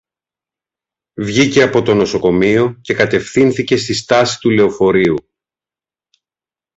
Βγήκε από το νοσοκομείο και κατευθύνθηκε στη στάση του λεωφορείου